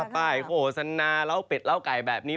ป้ายโฆษณาเล้าเป็ดล้าไก่แบบนี้